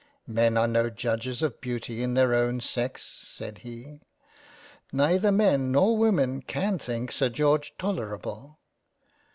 " Men are no Judges of Beauty in their own Sex." (said he). " Neither Men nor Women can think Sir George toler able."